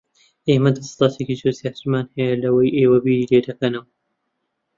ئێمە دەسەڵاتێکی زۆر زیاترمان هەیە لەوەی ئێوە بیری لێ دەکەنەوە.